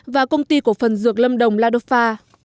và công ty cổ phần dược lâm đồng ladofa